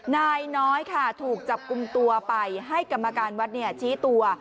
นายน้อยค่ะถูกจับกลุ่มตัวไปให้กรรมการวัดชี้ตัว